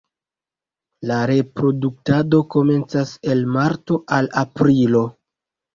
La reproduktado komencas el marto al aprilo.